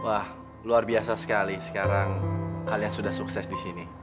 wah luar biasa sekali sekarang hal yang sudah sukses di sini